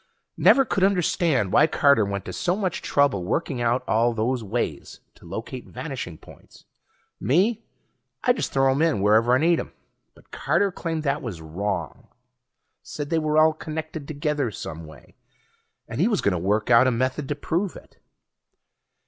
Never could understand why Carter went to so much trouble working out all those ways to locate vanishing points. Me, I just throw 'em in wherever I need 'em. But Carter claimed that was wrong. Said they were all connected together some way, and he was gonna work out a method to prove it.